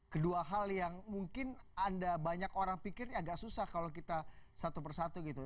kedua hal yang mungkin anda banyak orang pikir agak susah kalau kita satu persatu gitu